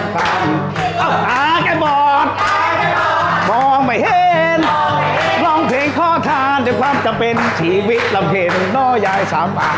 ความจำเป็นชีวิตรำเข็มน้อยายสำอาง